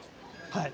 はい。